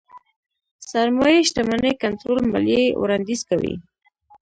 سرمايې شتمنۍ کنټرول ماليې وړانديز کوي.